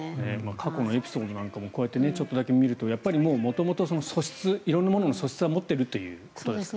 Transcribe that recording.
過去のエピソードなんかもこうやってちょっと見るとやっぱり元々、素質色んなものの素質は持っているということですかね。